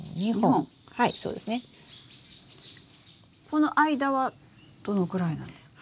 この間はどのぐらいなんですか？